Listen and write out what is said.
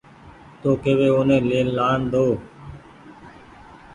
تو ڪيوي اوني لآن ۮئو